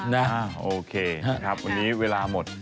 โอเคนะครับวันนี้เวลาหมด